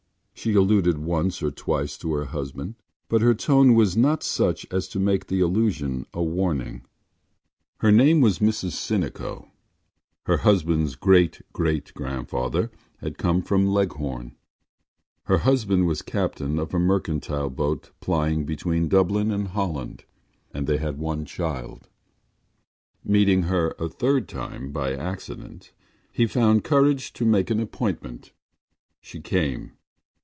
She alluded once or twice to her husband but her tone was not such as to make the allusion a warning. Her name was Mrs Sinico. Her husband’s great great grandfather had come from Leghorn. Her husband was captain of a mercantile boat plying between Dublin and Holland; and they had one child. Meeting her a third time by accident he found courage to make an appointment. She came.